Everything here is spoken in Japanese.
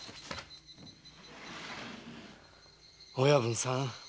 親分さん。